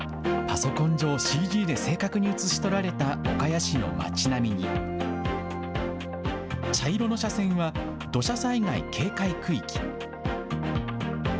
パソコン上、ＣＧで正確に写し取られた岡谷市の町並みに、茶色の斜線は、土砂災害警戒区域。